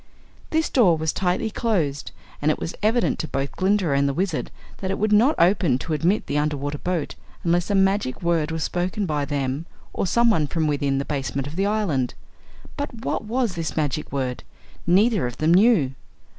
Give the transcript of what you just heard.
This door was tightly closed and it was evident to both Glinda and the Wizard that it would not open to admit the underwater boat unless a magic word was spoken by them or someone from within the basement of the island. But what was this magic word? Neither of them knew.